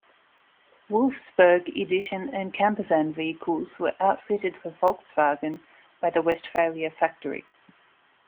Wolfsburg Edition and camper van vehicles were outfitted for Volkswagen by the Westfalia factory.